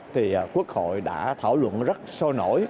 thì quốc hội đã thảo luận rất sâu nổi